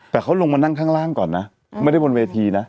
แต่เขาลงมานั่งข้างล่างก่อนนะไม่ได้บนเวทีนะ